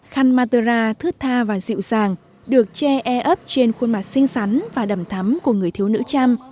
khanh matara thước tha và dịu dàng được che e ấp trên khuôn mặt xinh xắn và đầm thắm của người thiếu nữ chăm